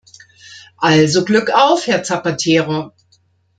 Also Glück auf, Herr Zapatero.